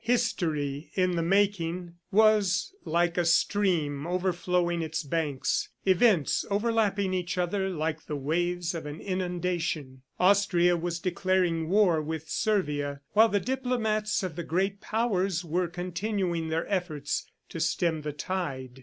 History in the making was like a stream overflowing its banks, events overlapping each other like the waves of an inundation. Austria was declaring war with Servia while the diplomats of the great powers were continuing their efforts to stem the tide.